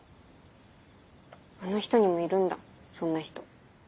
あの人にもいるんだそんな人。